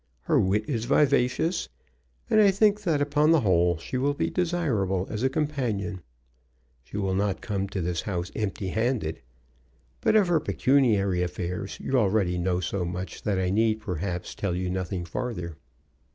"Her wit is vivacious, and I think that upon the whole she will be desirable as a companion. She will not come to this house empty handed; but of her pecuniary affairs you already know so much that I need, perhaps, tell you nothing farther.